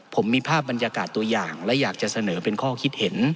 ผมมีภาพบรรยากาศตัวอย่างและอยากจะเสนอเป็นข้อคิดเห็น